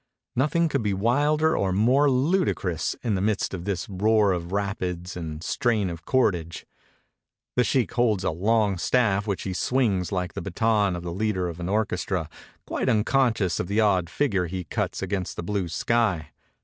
Nothing could be wilder or more ludicrous, in the midst of this roar of rapids and strain of cordage. The sheikh holds a long staff which he swings like the baton of the leader of an orchestra, quite unconscious of the odd figure he cuts 260 UP THE CATARACTS OF THE NILE against the blue sky.